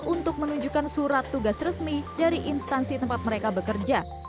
untuk menunjukkan surat tugas resmi dari instansi tempat mereka bekerja